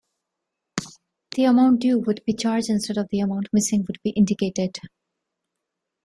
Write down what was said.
The amount due would be charged instead of the amount missing would be indicated.